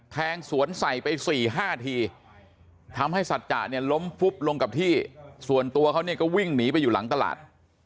แทงสวนใส่ไป๔๕ทีทำให้สัจจะเนี่ยล้มฟุบลงกับที่ส่วนตัวเขาเนี่ยก็วิ่งหนีไปอยู่หลังตลาด